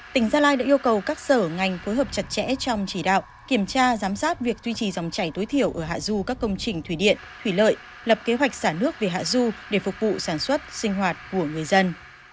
tỉnh gia lai đã yêu cầu các sở ngành phối hợp chặt chẽ trong chỉ đạo kiểm tra giám sát việc duy trì dòng chảy tối thiểu ở hạ du các công trình thủy điện thủy lợi lập kế hoạch xả nước về hạ du để phục vụ sản xuất sinh hoạt của người dân